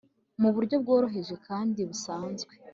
mu buryo bworoheje kandi busanzwe